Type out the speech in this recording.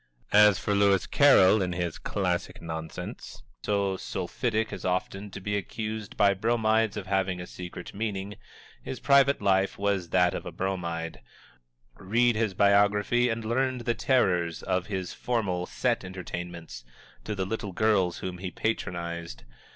As for Lewis Carroll, in his classic nonsense, so sulphitic as often to be accused by Bromides of having a secret meaning, his private life was that of a Bromide. Read his biography and learn the terrors of his formal, set entertainments to the little girls whom he patronized!